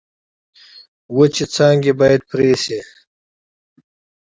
وچې څانګې باید پرې شي.